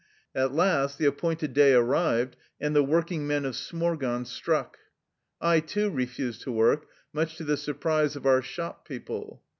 At last the appointed day arrived, and the working men of Smorgon struck. I, too, refused to work, much to the surprise of our shop people.